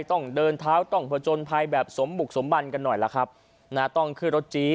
ต้องเดินเท้าต้องผจญภัยแบบสมบุกสมบันกันหน่อยล่ะครับนะต้องขึ้นรถจี้